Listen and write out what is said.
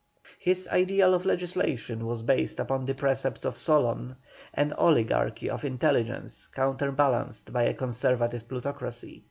His ideal of legislation was based upon the precepts of Solon, an oligarchy of intelligence counterbalanced by a Conservative plutocracy.